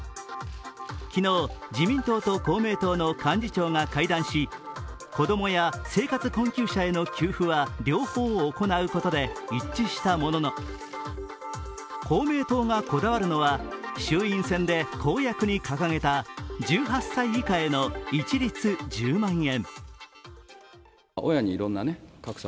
昨日、自民党と公明党の幹事長が会談し、子供や生活困窮者への給付は両方行うことで一致したものの公明党がこだわるのは、衆院選で公約に掲げた１８歳以下への一律１０万円。